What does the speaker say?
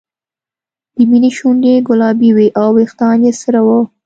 د مینې شونډې ګلابي وې او وېښتان یې سره وو